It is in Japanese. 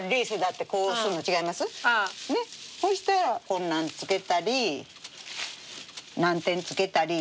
そしたらこんなん付けたりナンテン付けたり。